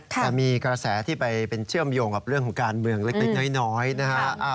แต่มีกระแสที่ไปเป็นเชื่อมโยงกับเรื่องของการเมืองเล็กน้อยนะฮะ